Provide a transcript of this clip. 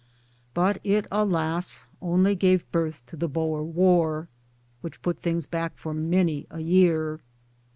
'But it alas ! only gave birth to the Boer ,War which put things back for many a year.